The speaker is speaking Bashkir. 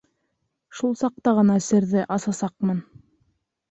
Шул саҡта ғына серҙе асасаҡмын.